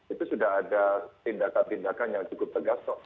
itu sudah ada tindakan tindakan yang cukup tegas